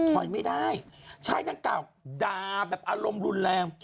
ถอยไม่ได้ชายนางกล่าวด่าแบบอารมณ์รุนแรง